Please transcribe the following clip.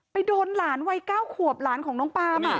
โดนหลานวัย๙ขวบหลานของน้องปาล์ม